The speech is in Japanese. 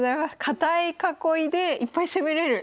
堅い囲いでいっぱい攻めれる。